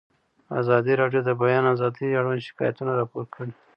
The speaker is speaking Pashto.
ازادي راډیو د د بیان آزادي اړوند شکایتونه راپور کړي.